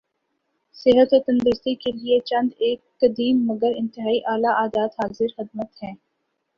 صحت و تندرستی کیلئے چند ایک قدیم مگر انتہائی اعلی عادات حاضر خدمت ہیں